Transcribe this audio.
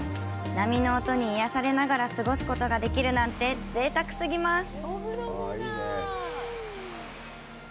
波の音に癒やされながら過ごすことができるなんてぜいたく過ぎます！